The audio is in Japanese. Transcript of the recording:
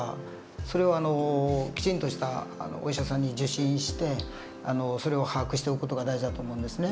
それをきちんとしたお医者さんに受診してそれを把握しておく事が大事だと思うんですね。